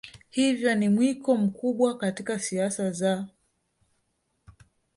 hivyo ni mwiko mkubwa katika siasa za